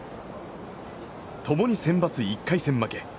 共にセンバツ１回戦負け。